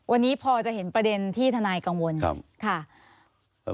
วันนี้พอจะเห็นประเด็นที่ทนายกังวลค่ะ